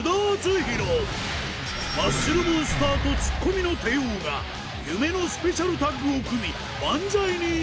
マッスルモンスターとツッコミの帝王が夢のスペシャルタッグを組み漫才に挑む。